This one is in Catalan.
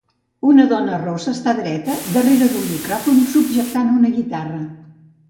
Una dona rossa està dreta darrere d'un micròfon subjectant una guitarra.